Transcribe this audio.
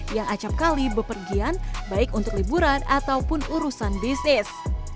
yang acapkali bepergian baik untuk liburan ataupun urusan bisnis